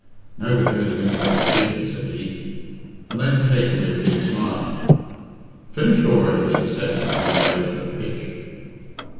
"No good hurting anybody's feelings," said he; and then Kate reappeared smiling. "Finished already?" she said with an elevation of pitch.